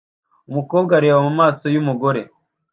umukobwa areba mumaso yumugore